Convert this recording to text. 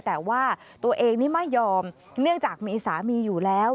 แต่ว่าตัวเองนี่ไม่ยอมเนื่องจากมีสามีอยู่แล้ว